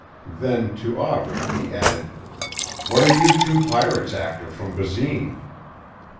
Then to Aubrey he added, "What are you two pirates after from Basine?"